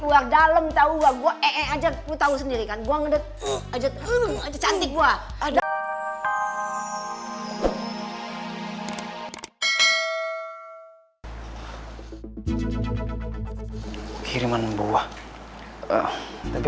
gua dalam tahu gua gua aja gue tahu sendiri kan gua ngendet aja cantik gua ada kiriman buah tapi